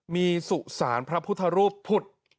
มีสุสานพระพุทธรูปผุด